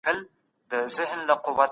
په مال کي د نورو خلګو حق پاته کیږي.